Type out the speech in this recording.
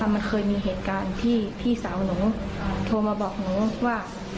มันเคยมีเหตุการณ์ที่พี่สาวหนูโทรมาบอกหนูว่า